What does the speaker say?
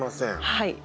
はい